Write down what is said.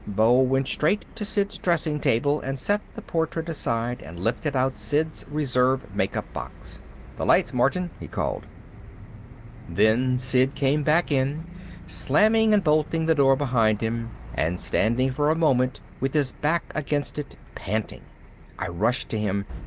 Beau went straight to Sid's dressing table and set the portrait aside and lifted out Sid's reserve makeup box. "The lights, Martin!" he called. Then Sid came back in, slamming and bolting the door behind him and standing for a moment with his back against it, panting. I rushed to him.